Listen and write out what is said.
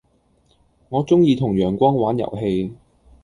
我鐘意同陽光玩遊戲